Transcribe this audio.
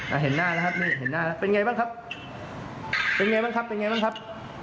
อ่าเห็นหน้าแล้วครับนี่เห็นหน้าแล้วเป็นไงบ้างครับ